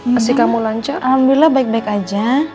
masih kamu lancar alhamdulillah baik baik aja